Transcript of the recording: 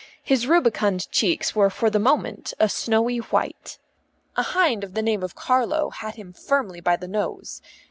His rubicund cheeks were for the moment a snowy white. A hind of the name of Carlo had him firmly by the nose.